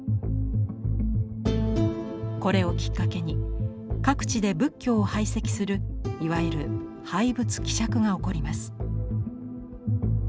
これをきっかけに各地で仏教を排斥するいわゆる「廃仏毀釈」が起こります。